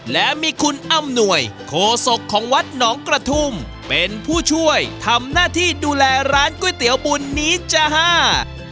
และมีคุณอำนวยโคศกของวัดหนองกระทุ่มเป็นผู้ช่วยทำหน้าที่ดูแลร้านก๋วยเตี๋ยวบุญนี้จ้าฮ่า